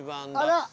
あら！